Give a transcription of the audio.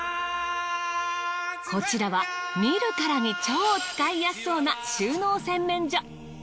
こちらは見るからに超使いやすそうな収納洗面所。